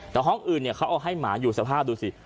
แต่ห้องอื่นเขาเอาให้หมาอยู่สภาพดูสิ